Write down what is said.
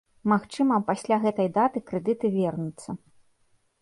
Магчыма, пасля гэтай даты крэдыты вернуцца.